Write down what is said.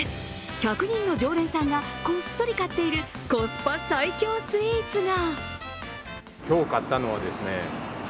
１００人の常連さんがこっそり買っているコスパ最強スイーツが。